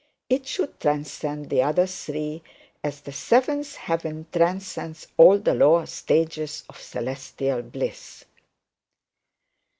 It should transcend the other three as the seventh heaven transcends all the lower stages of celestial bliss.